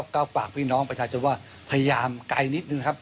ก็ฝากพี่น้องประชาชนว่าพยายามไกลนิดนึงครับ